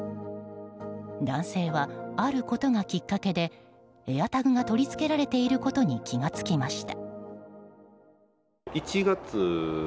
男性は、あることがきっかけでＡｉｒＴａｇが取り付けられていることに気が付きました。